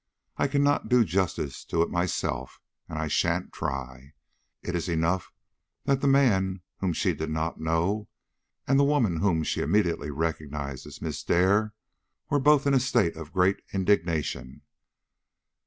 I cannot do justice to it myself, and I sha'n't try. It is enough that the man whom she did not know, and the woman whom she immediately recognized as Miss Dare, were both in a state of great indignation.